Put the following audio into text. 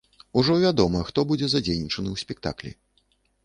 Ужо вядома, хто будзе задзейнічаны ў спектаклі.